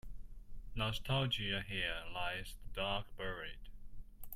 Nostalgia Here lies the dog buried.